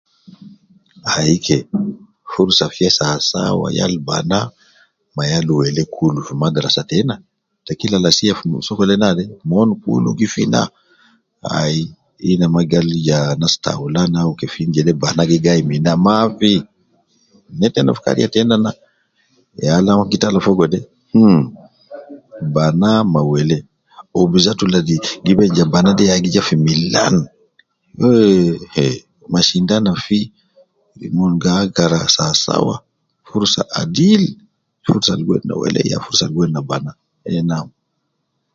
Ai ke ,furusa fi sawa sawa yal banaa ma yal welee kul fi madrasa teina, te kila lasiya fi sokole naade, mon kulu gi fi na ,ai, ina ma gal ya anas taulan au kefin jede, banaa gi gayi min na, maafi, ne teina fi kariya teina na, ya al ana gi tala fogo de mh, banaa ma welee wu bizatu ladi gi ben ja banaa de ya gi ja fi milan, wuo eh, heh ,mashindano fi, eh mon gi agara sawa sawa, furusa al fiil ,furusa al gi wedi ne welee ya furusa al gi wedi ne banaa ,eh nam.